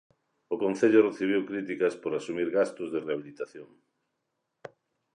O Concello recibiu críticas por asumir gastos de rehabilitación.